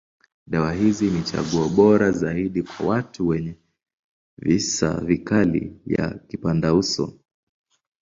Dawa hizi ni chaguo bora zaidi kwa watu wenye visa vikali ya kipandauso.